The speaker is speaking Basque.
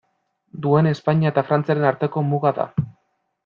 Duen Espainia eta Frantziaren arteko muga da.